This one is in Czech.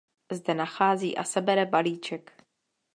Zde nachází a sebere balíček.